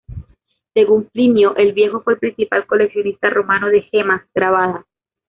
Según Plinio el Viejo, fue el principal coleccionista romano de gemas grabadas.